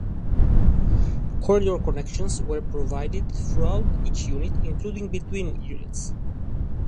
Corridor connections were provided throughout each unit, including between units.